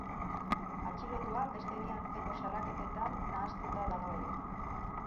Atxilotua beste bi antzeko salaketetan nahastuta dago ere.